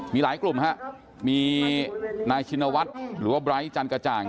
มีหลายกลุ่มฮะมีนายชินวัฒน์หรือว่าไร้จันกระจ่าง